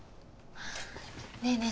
ねえねえ